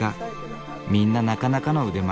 みんななかなかの腕前。